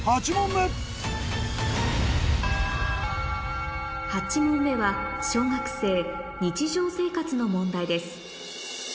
８問目８問目は小学生の問題です